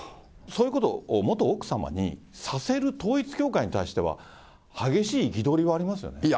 そういうことを元奥様にさせる統一教会に対しては、いや、あります。